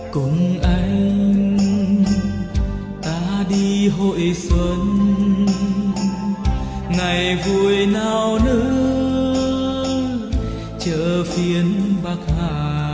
cùng anh ta đi hội xuân ngày vui nào nữa chợ phiên bắc hà